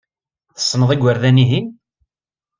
Tessneḍ igerdan-ihin?